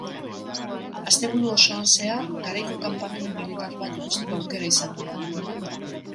Asteburu osoan zehar, garaiko kanpamendu militar bat ikusteko aukera izango da.